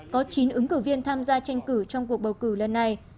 có chín ứng cử viên tham gia tranh cử trong cuộc bầu cử lần này